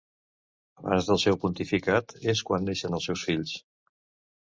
Abans del seu pontificat és quan neixen els seus fills: